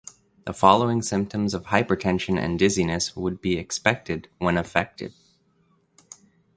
The following symptoms of hypertension and dizziness would be expected when affected.